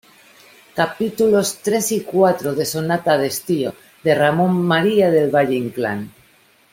capítulos tres y cuatro de Sonata de estío, de Ramón María del Valle-Inclán.